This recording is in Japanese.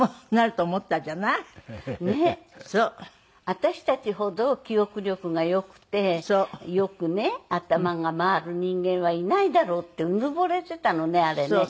私たちほど記憶力が良くてよくね頭が回る人間はいないだろうってうぬぼれてたのねあれね。